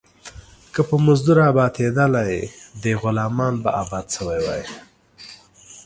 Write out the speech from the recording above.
که په مزدور ابآتيدلاى ، ده غلامان به ابات سوي واى.